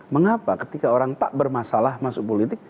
mengapa ketika orang tak bermasalah masuk politik